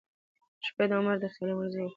شپې د عمر غلیماني ورځي وخوړې کلونو